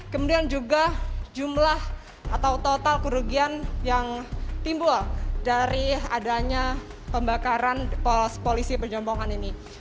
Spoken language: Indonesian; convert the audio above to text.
kemudian juga jumlah atau total kerugian yang timbul dari adanya pembakaran polisi pejombongan ini